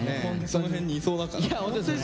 その辺にいそうだからね。